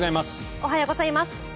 おはようございます。